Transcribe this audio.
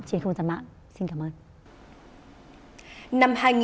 trên không gian mạng xin cảm ơn